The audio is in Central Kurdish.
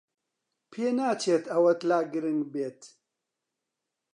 پێناچێت ئەوەت لا گرنگ بێت.